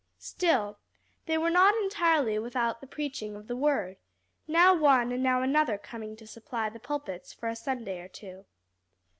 Still they were not entirely without the preaching of the word, now one and now another coming to supply the pulpits for a Sunday or two.